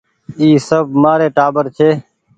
اي سب مآري ٽآٻر ڇي۔